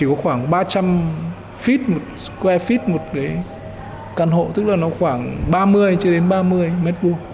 họ chỉ có khoảng ba trăm linh feet square feet một cái căn hộ tức là nó khoảng ba mươi ba mươi m hai